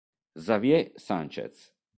Xavier Sánchez